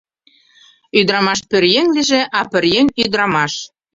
Ӱдырамаш пӧръеҥ лийже, а пӧръеҥ — ӱдырамаш.